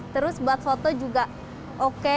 terus buat foto juga oke